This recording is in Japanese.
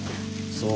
そう。